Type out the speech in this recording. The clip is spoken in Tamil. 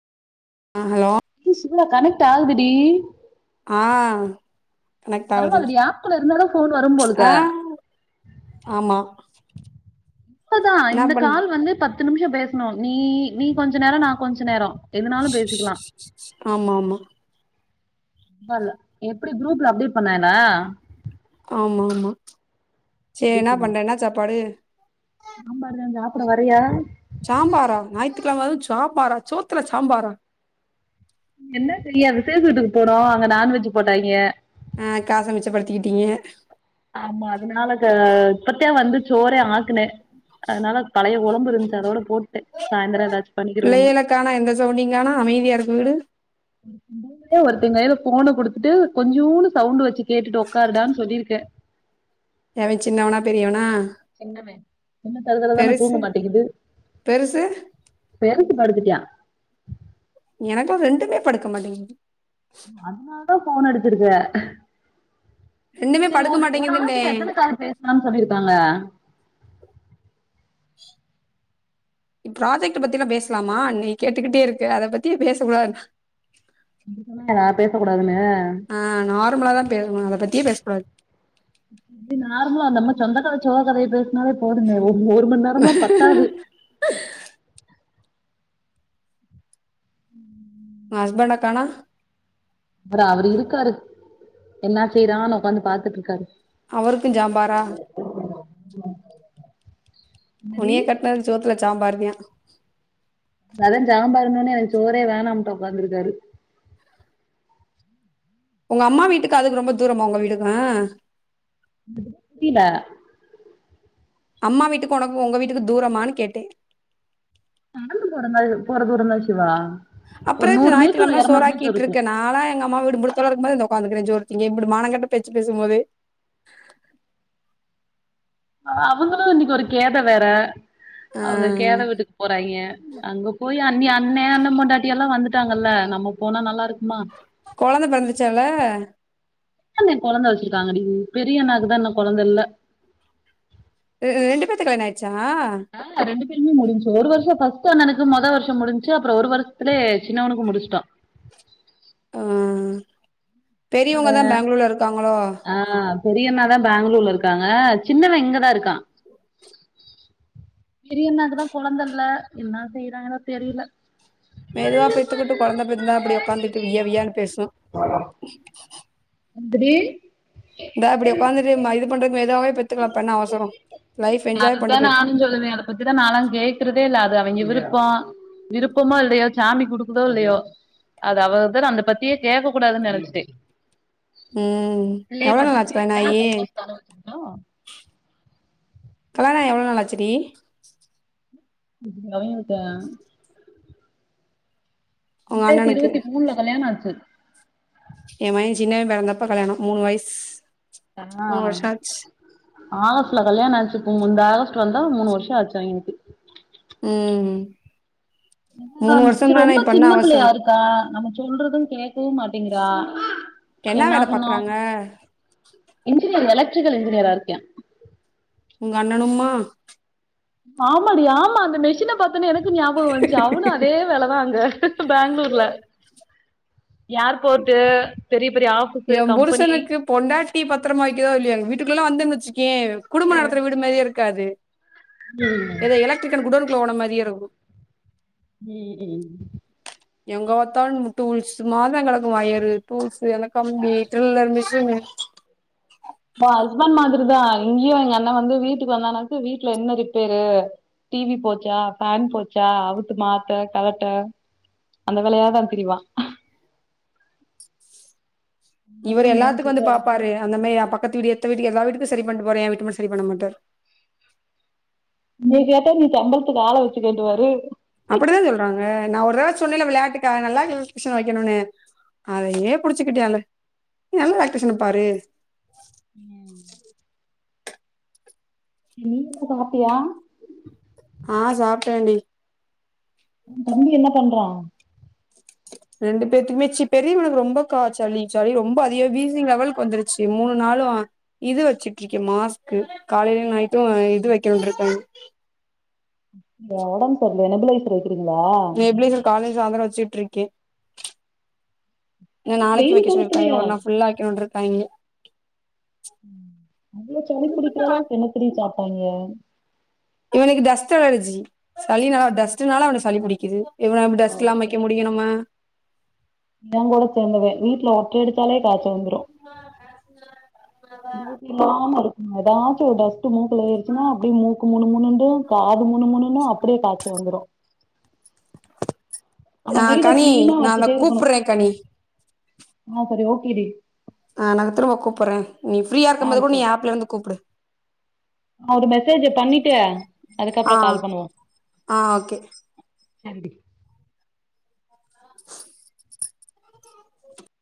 ஆ ஹலோ இல்ல கனெக்ட் ஆகுதுடி ஆ கனெக்ட் ஆவுது பரவால்லடி ஆப்குள்ள இருந்தாதா ஃபோன் வரும் போலுக்க ஆ ஆமா இப்பதா என்னா இந்த பண் கால் வந்து பத் து நிமிஷோ பேசணு நீ நீ கொஞ்ச நேரோ நா கொஞ்ச நேரோ எதுனாலு பேசிக்கலா ஆமா ஆமா ஆமால எப்டி குரூப்ல அப்டேட் பண்ணாங்களா ஆமா ஆமா சேரி என்ன பண்ற என்ன சாப்பாடு சம்பார் தா சாப்புட வரியா சாம்பாரா ஞாயித்துக்கெழம அது சாம்பாரா சோத்துல சாம்பாரா ம் என்ன செய்ய விசே வீட்டுக்கு போனோ அங்க நான்வெஜ் போட்டாங்கே ஆ காசு மிச்சப்படுத்திக்கிட்டீங்க ஆமா அதனால இப்பத்தே வந்து சோறே ஆக்குன அதனால பழைய கொழம்பு இருந்துச்சு அதோட போட்டே சாயிந்துரோ எதாச்சு புள்ளைகள கானோ எந்த சவுண்டைங்கானோ அமைதியா இருக்கு வீடு [inaudible] ஒருத்தங் கைல ஃபோன குடுத்துட்டு கொஞ்சூன்டு சவுண்டு வெச்சு கேட்டுட்டு உக்காருடான் சொல்லிருக்க எவே சின்னவனா பெரியவனா சின்னவே இன்னு தருதலதானே தூங்க பெருசு மாட்டேங்குது பெருசு வேரு த்து படுத்துட்டா எனக்கு ரெண்டுமே படுக்க மாட்டேங்கு அதனாலதா ஃபோன அடுச்சுருக்க ரெண்டுமே சேரி படுக்க ஒரு ஒரு மாட்டேங்குதுன்னே ஆளுகிட்ட எத்தன காலு பேசலாம்னு சொல்லிருக்காங்க இப் பிராஜெக்ட் பத்திலா பேசலாமா நீ கேட்டுக்கிட்டே இருக்க அத பத்தி பேசக் கூடாது நா பேச கூடாதுன்னு ஆ நார்மலாதா பேசுவோ அத பத் தியே பேசக் கூடாது இப்டி நார்மலா வந்து சொந்தக்கத சோக கதைய பேஸ் னால போதுமே ஒரு மணி நேரம்லா பத்தாது பேசக்கூடாது ம் உன் ஹஸ்பண்டக்கானோ அப்புறோ அவரு இருக்காரு என்ன செய்றான்னு உக்காந்து பாத்துட்டு இருக்காரு அவருக்கு சாம்பாரா [inaudible] சரி உன்னி கட்னது ஜோத் ல சாம்பாருதியா அதா சாம்பார்னொன்னே எனக்கு சோரே வேணாம்ட்டு உக்காந்துருக்காரு உங்க அம்மா வீட்டுக்கு அதுக்கு ரொம்ப தூரமா உங்க வீட்டுக்கு [inaudible] புரில அம்மா வீட்டுக்கு உனக்கு உங்க வீட்டுக்கு தூரமானு கேட்டே நா போறந்தள் போறதுனா இருந்தா சிவா ஒரு அப்பறோ எதுக்கு நூறு மீட்டர் ஞாயிற்கிழமலா இருநூறு மீட்டர் இருக்கும் சோராக்கிட்ருக்க நாளா எங்க அம்மா வீடு முத்தள த இந்த உக்காந்துருக்கிறே ஜோருத்திங்க இப்டி மான கெட்ட பேச்சு பேசும்போதே அ அவங்களு இன்னைக்கு ஒரு கேத வேற ஆ, அவங்க கேத வீட்டுக்கு போறாங்க அங்க போய் கி அண்ணி அண்ணன் அண்ணன் பொண்டாட்டி எல்லா வந்துட்டாங்கல்ல நம்ம போனா நல்லா இருக் கொழந்த பிறந்துச்சால என்ந்த கொழந்த வச்சிருக்காங்கடி பெரியன்னாக்குதா இன்னு கொழந்த இல்ல ஆ ரெண்டு பேத்துகு கல்யாண் ஆய்டுச்சு ஆ ரெண்டு பேருமே முடிஞ்ச்சு ஒரு வருஷோ பா பெரியண்ணனுக்கு மொதோ வருஷோ முடிஞ்ச்சு அப்பறோ ஒரு வருஷத்துலே சின்னவனுக்கு முடிச்சுட்டோ ஆ பெரியவங்கதா பேங்களூர்ல இருக்காங்களோ ஆ பெரியண்ணாதா பேங்களூர்ல இருக்காங்க சின்னவ இங்கதா இருக்கா பெரியண்ணாக்குதா கொழந்த இல்ல என்ன செய்றாங்களோ தெரியல மெதுவா பெத்துக்கிட்டு கொழந்தை பிறந்தா இப்டி உக்காந்துட்டு விய்ய விய்யான்னு பேசு எந்திரி இந்தா இப்டி உக்காந்துட்டு இது பண்றதுக்கு மெதுவாவே பெத்துக்கலா இப்ப எண்ணா அவசரோ லைஃப் என்ஜாய் அதுதா பண்ணி நானு பெத்துக்கிறே சொல்லுவே அத பத்திதா நாலா கேக்குறதே இல்ல அது அவிங்க விருப்போ விருப்பமோ இல்லையோ சாமி குடுக்குதோ இல்லையோ அது அவ த அந்த பத்தியே கேட்க கூடாதுன்னு நனச்சுடே உ எவ்வள நாலாச்சு என்ன கல்யாணாயி சந்தோஷத்தால வச்சுக்கிட்டோ கல்யாணாயி எவ்ளோ ந நாளச்சுடி இது அவங்கக்க உங்க ரெண்டாயிரத்தி அண்ணனுக்கு இருபத்தி மூணுல கல்யாணோ ஆச்சு எ மயே சின்னவே பெறந்தப்ப கல்யாணோ மூணு வயஸ் ஆ ஆகஸ்ட்ல கல்யாணோ ஆச்சு உ இந்த ஆகஸ்ட் வந்தா மூணு வருஷோ ஆச்சு அவங்கல்கு உ ரொம்ப சின்ன பிள்ளையா அவசரோ இருக்கா நமக்கு சொல்றது கேக்கவு மாட்டீங்கிறா என்ன வேல பாக்குறாங்க இன்ஜினியர் எலக்ட்ரீக்கல் இன்ஜினியரா இருக்யா உங்க அண்ணனும்மா ஆமாடி ஆமா அந்த மெஷின பாத் அத்தானே எனக்கு ஞாபகோ வந்துச்சு அவனு அதே வேலதா அங்க பேங்களூர்ல யார் போட்டு பெரிப் எ புருஷனுக்கு பொண்டாட்டி பத்துரமா வெக்கிதோ இல்லியோ எங்க வீட்டுக் குல்ல எல்லா வந்தன் வெச்சு கே குடும்ப நடத்துற வீடு மாரியே இருக் க்காது எதோ எலக்ட்ரிக்கன் குடோனுகுள்ள போன மாரியே இருக்கு ம் ம் எங்க பாத்தாலு டூல்ஸ் மாதங் கடக்கு வொயரு டூல்ஸ் அந்த கம்பி ட்ரில்லர் மிஷீனு தா ஹஸ்பெண்ட் மாதிரிதா இங்கயு எங்க அண்ண வந்து வீட்டுக்கு வந்தனாக்கு வீட்ல என்ன ரிப்பேரு டிவி போச்சா ஃபேன் போச்சா அவுத்து மாத்த கலட்ட அந்த வேலையாதா திரிவா இவரு எல்லத்துக்கு வந்து பாப்பாரு அந்த மேரி பக்கத்து வீடு எதுத்த வீடு எல்லா வீட்டுக்கு செரி பண்ட்டு போறே எ வீட்டுக்கு மட்டு செரி பண்ண மாட்டார் நீ கேட்ட நீ சம்பளத்துக்கு ஆள வெச்சு அப்டித்தா சொல்றாங்க நா ஒரு தடவ சொன்னல வெளையாட் ட்டுக்காக நல்லா எலக்டிரீஷனா வெக்கணுனு அதையே புடுச்சுக்கிட்டு அந்த நல்ல எலக்டிரீஷன பாரு நீ சாப்டியா ஆ சாப்ட்டேண்டி தம்பி என்ன பண்றா ரெண்டு பேத்துக்கு மேச்சி பெரியவனுக்கு ரொம்ப காச்சல் சளி சளி ரொம்ப அதிக வீசிங் லெவலுக்கு வந்துருச்சு மூணு நாளு இது வெச்சுட்டு இருக்கே மாஸ்க்கு காலைலயு நையிட்டு இது வெக்கனுன்ருக்காங்க ஒடம் செரில்ல நெப்புலைசரு நீ எப்டி சார் காலேஜ் அந்த காலேஜ் சீட் ட்ருக்கே ஏ நாளைக்கு வெயில் வெக்க சொல்லிருக்காங்க காலத்துலயா ஒரு நா ஃபுல்லா வெக்கனுன்ருக் தைலோ ம் அவ்ளோ சளி புடிக்குற அளவுக்கு என்ன தோழி சாப்ட் பைய இவனுக்கு டஸ்ட் அலர்ஜி சளினா டஸ்டுனால அவனுக்கு சளி புடிக்குது எவ்ள நாள் டஸ்ட் இல்லாம வெக்க முடியு நம்ம ஏங் கூட சேந்தவ வீட்ல ஒர்த் ஒட்ற எடுத்தாலே காச்சல் வந்துரு [inaudible] எதாச்சி ஒரு டஸ்ட் டு மூக்குல ஏருச்சுனா அப்டி மூக்கு முணு முணுன்ட்டு காது முணு முணுன்னு அப் அபடியே காச்ச வந்துரு ஆனா ஆ வீட கனி கிளீனா நா இதா கூப்புற கனி ஆஃபரு ஓகே டி ஆ நாங்க திரும்ப குப்புற நீ ஃரீயா ஆ இருக்கும்போது கூட நீ சரி ஆப்ல இருந்து கூப்டு ஒரு மெசேஜ பண்ணிட்டு அதுக்கப்ற ஆ கால் பண்ணுவோ ஆ ஓகே சன்டி தா